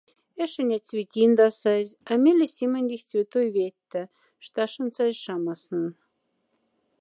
Эшинять святиндасазь, а меле симондихть святой ведьта, шташендсазь шамаснон.